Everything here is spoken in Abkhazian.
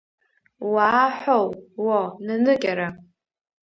Уаа-ҳоу, уо, наныкьара!